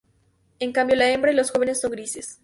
En cambio, la hembra y los jóvenes son grises.